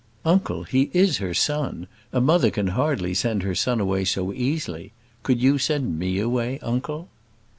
"Uncle, he is her son. A mother can hardly send her son away so easily: could you send me away, uncle?"